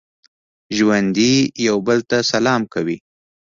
ژوندي یو بل ته سلام کوي